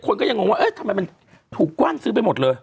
คนก็ยังงงว่าเอ๊ะทำไมมันถูกกว้านซื้อไปหมดเลย